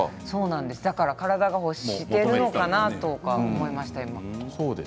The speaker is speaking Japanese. だから体が欲しているのかなと思いました。